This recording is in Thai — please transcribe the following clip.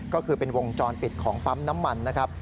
ก็คือเป็นวงจรปิดของปั๊มน้ำมันนะครับ